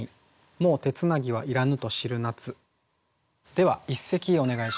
では一席お願いします。